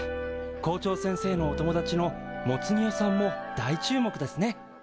校長先生のお友達のモツ煮屋さんも大注目ですね。